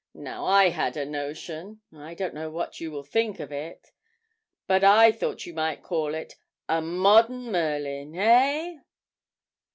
Now, I had a notion I don't know what you will think of it but I thought you might call it "A Modern Merlin," eh?'